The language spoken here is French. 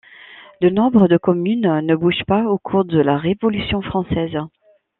Le nombre de commune ne bouge pas au cours de la Révolution française.